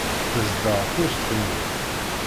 Tezder tireft-nni.